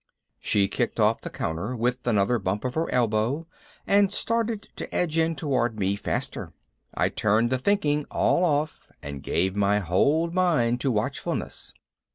She kicked off the counter with another bump of her elbow and started to edge in toward me faster. I turned the thinking all off and gave my whole mind to watchfulness.